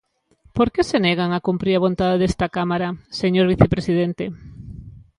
¿Por que se negan a cumprir a vontade desta cámara, señor vicepresidente?